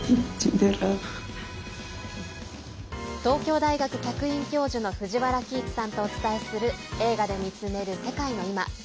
東京大学客員教授の藤原帰一さんとお伝えする「映画で見つめる世界のいま」。